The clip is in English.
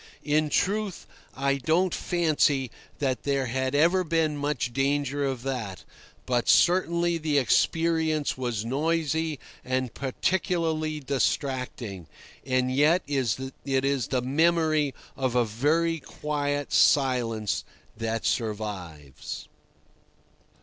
In truth, I don't fancy that there had ever been much danger of that, but certainly the experience was noisy and particularly distracting—and yet it is the memory of a very quiet silence that survives.